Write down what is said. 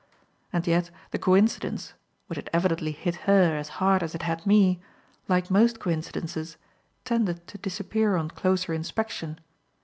And yet the coincidence, which had evidently hit her as hard as it had me, like most coincidences, tended to disappear on closer inspection.